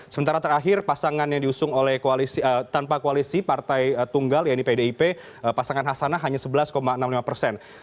sementara terakhir pasangan yang diusung tanpa koalisi partai tunggal yaitu pdip pasangan hasanah hanya sebelas enam puluh lima persen